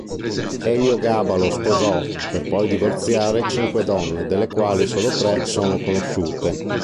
Eliogabalo sposò, per poi divorziare, cinque donne, delle quali solo tre sono conosciute.